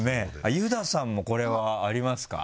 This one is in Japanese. ユダさんもこれはありますか？